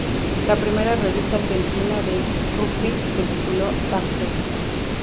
La primera revista argentina de rugby se tituló "Tackle".